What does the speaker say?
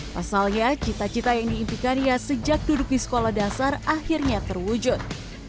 pasalnya cita cita yang diimpikannya sejak duduk di sekolah dasar akhirnya terwujud